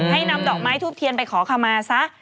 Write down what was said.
ให้นำดอกไม้ทูบเทียนไปขอขมาซะ